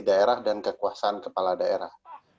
daerah dan kekuasaan kepala daerah